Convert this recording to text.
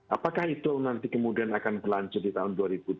apakah itu nanti kemudian akan berlanjut di tahun dua ribu dua puluh